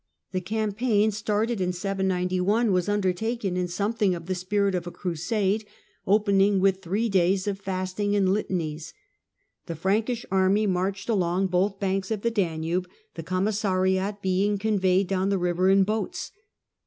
The campaign, started in 791, was undertaken in something of the spirit of a crusade, opening with three days of fasting and litanies. The Frankish army marched along both banks of the Danube, the commissariat being conveyed down the river in boats.